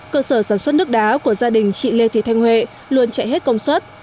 cơ sở sản xuất nước đá của gia đình chị lê thị thanh huệ luôn chạy hết công suất